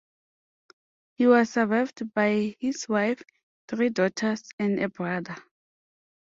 He was survived by his wife, three daughters, and a brother.